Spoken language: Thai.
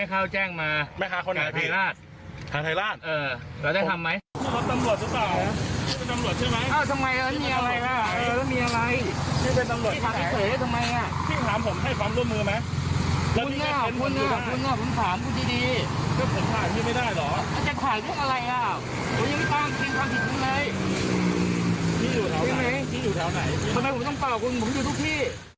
ทำไมผมต้องเป่าคุณผมอยู่ทุกที่